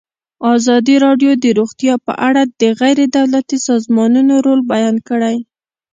ازادي راډیو د روغتیا په اړه د غیر دولتي سازمانونو رول بیان کړی.